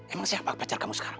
emang siapa pacar kamu sekarang